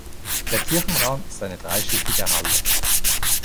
Der Kirchenraum ist eine dreischiffige Halle.